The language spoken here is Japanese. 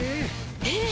えっ！